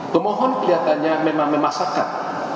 pemohon kelihatannya memang memasakkan